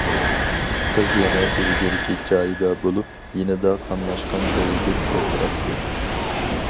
قىز يەنە ئىلگىرىكى جايىدا بولۇپ، يېنىدا قاملاشقان بىر يىگىت ئولتۇراتتى.